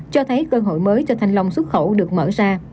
cho thấy cơ hội mới cho thanh long xuất khẩu được mở ra